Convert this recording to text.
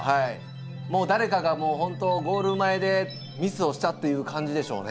もう誰かがもう本当ゴール前でミスをしたっていう感じでしょうね。